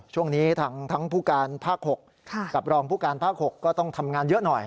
ช่วงนี้ทั้งผู้การภาค๖กับรองผู้การภาค๖ก็ต้องทำงานเยอะหน่อย